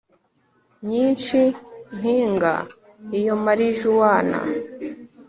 myinshi mpinga iyo marijuwana